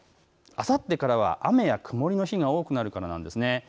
あさってからは雨や曇りの日が多くなるからなんですね。